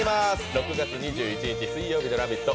６月２１日水曜日の「ラヴィット！」